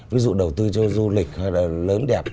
ví dụ đầu tư cho du lịch lớn đẹp